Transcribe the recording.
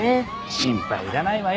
心配いらないわよ。